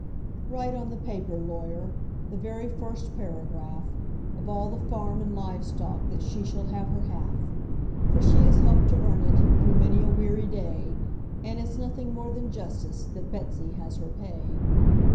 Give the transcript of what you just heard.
Write on the paper, lawyer the very first paragraph Of all the farm and live stock that she shall have her half; For she has helped to earn it, through many a weary day, And it's nothing more than justice that Betsey has her pay.